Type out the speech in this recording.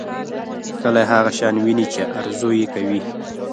کلی هغه شان ويني چې ارزو یې کوي.